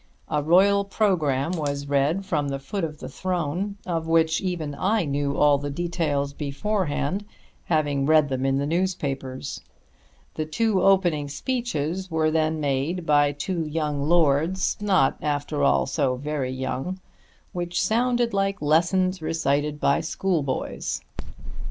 A royal programme was read from the foot of the throne, of which even I knew all the details beforehand, having read them in the newspapers. Two opening speeches were then made by two young lords, not after all so very young, which sounded like lessons recited by schoolboys.